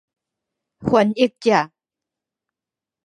翻譯者